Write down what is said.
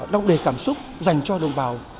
đong đề cảm xúc dành cho đồng bào